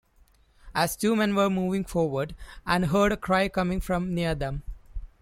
As two men were moving forward and heard a cry coming from near them.